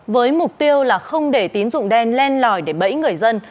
với mục tiêu là không để tín dụng đen len lòi để bẫy người dân